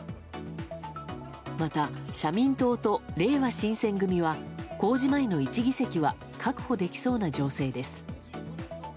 また、社民党とれいわ新選組は公示前の１議席は確保できそうな情勢です。